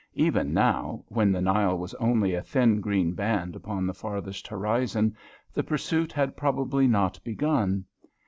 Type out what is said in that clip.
Even now, when the Nile was only a thin green band upon the farthest horizon, the pursuit had probably not begun.